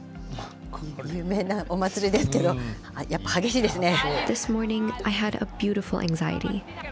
有名なお祭りですけど、やっぱ激しいですね。